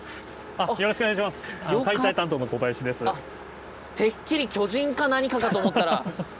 あってっきり巨人か何かかと思ったら。